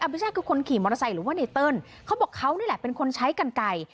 ไม่ใช่คือคนขี่มอเตอร์ไซค์หรือว่าไนเติ้ลเขาบอกเขานี่แหละเป็นคนใช้กันไก่